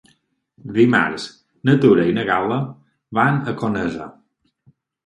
Dimarts na Tura i na Gal·la van a Conesa.